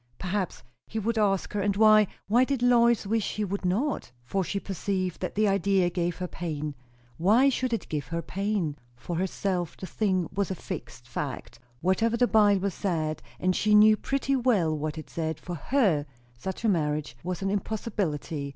Perhaps he would ask her; and why, why did Lois wish he would not? For she perceived that the idea gave her pain. Why should it give her pain? For herself, the thing was a fixed fact; whatever the Bible said and she knew pretty well what it said for her, such a marriage was an impossibility.